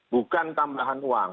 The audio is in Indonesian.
bukan tambahan uang